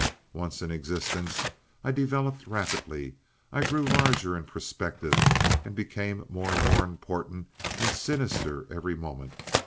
Once in existence I developed rapidly. I grew larger in perspective and became more and more important and sinister every moment.